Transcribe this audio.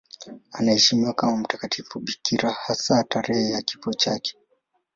Anaheshimiwa kama mtakatifu bikira, hasa tarehe ya kifo chake.